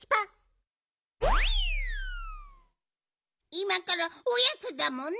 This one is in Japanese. いまからおやつだもんね。